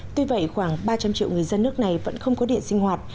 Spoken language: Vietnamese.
tuy vậy khoảng ba trăm linh triệu người dân nước này vẫn không có điện sinh hoạt